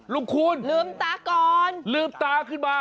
คูณลืมตาก่อนลืมตาขึ้นมา